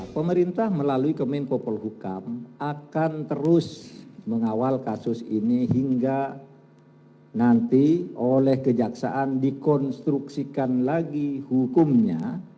pemerintah melalui kemenkopol hukam akan terus mengawal kasus ini hingga nanti oleh kejaksaan dikonstruksikan lagi hukumnya